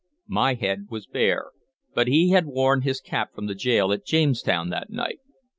My head was bare, but he had worn his cap from the gaol at Jamestown that night.